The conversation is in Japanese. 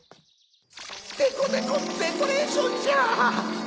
デコデコデコレーションじゃ！